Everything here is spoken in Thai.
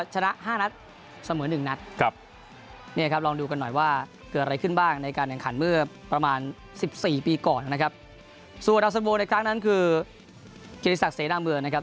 ส่วนอัพสมบูรณ์ในครั้งนั้นคือเกณฑษักเสนาเมืองนะครับ